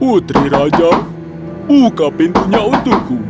putri raja buka pintunya untukku